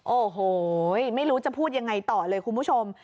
โอ้โหไม่รู้จะพูดยังไงต่อเลยคุณผู้ชม